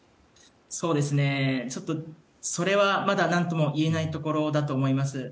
ちょっと、それはまだ何とも言えないところだと思います。